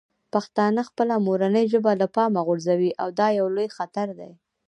پښتانه خپله مورنۍ ژبه له پامه غورځوي او دا یو لوی خطر دی.